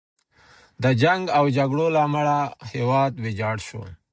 د جنګ او جګړو له امله هیواد ویجاړ شو.